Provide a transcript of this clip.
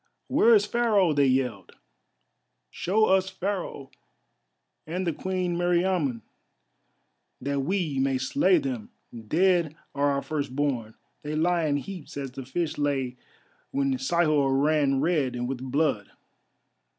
"Where is Pharaoh?" they yelled, "show us Pharaoh and the Queen Meriamun, that we may slay them. Dead are our first born, they lie in heaps as the fish lay when Sihor ran red with blood.